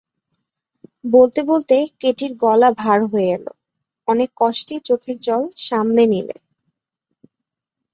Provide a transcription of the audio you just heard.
বলতে বলতে কেটির গলা ভার হয়ে এল, অনেক কষ্টে চোখের জল সামলে নিলে।